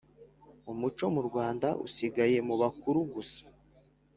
umuco nyarwanda usigaye mu bakuru gusa